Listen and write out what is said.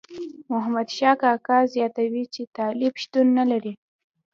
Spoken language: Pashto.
محمد شاه کاکا زیاتوي چې طالب شتون نه لري.